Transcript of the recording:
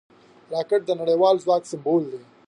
راکټ د نړیوال ځواک سمبول شو